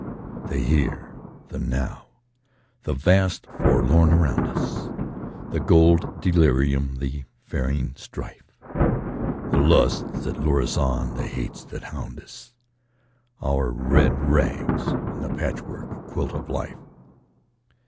The Here, the Now, the vast Forlorn around us; The gold delirium, the ferine strife; The lusts that lure us on, the hates that hound us; Our red rags in the patch work quilt of Life.